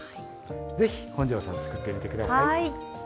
ぜひ、本上さん作ってみてください。